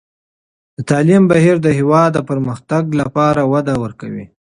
د تعلیم بهیر د هېواد د پرمختګ لپاره وده ورکوي.